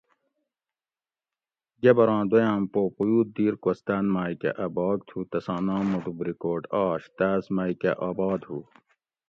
گبراۤں دویاۤم پو پویود دیر کوستاۤن مئ کہ اۤ بھاگ تھو تساں نام موٹو بریکوٹ آش تاۤس مئ کہ آباد ھو